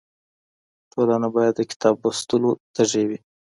ټولنه بايد د کتاب لوستلو تږې وي.